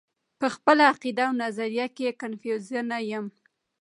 پۀ خپله عقيده او نظريه کښې کنفيوز نۀ يم -